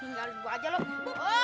tinggalin gua aja loh